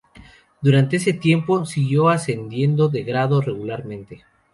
Durante este tiempo, siguió ascendiendo de grado regularmente.